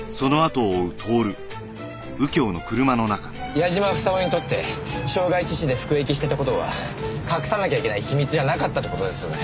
矢嶋房夫にとって傷害致死で服役してた事は隠さなきゃいけない秘密じゃなかったって事ですよね。